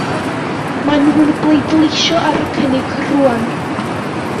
Maen nhw'n pleidleisio ar y cynnig rŵan.